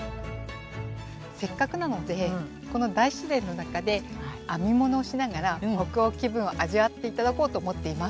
せっかくなのでこの大自然の中で編み物をしながら北欧気分を味わっていただこうと思っています。